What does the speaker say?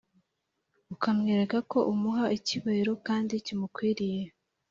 ukamwereka ko umuha icyubahiro kandi kimukwiriye.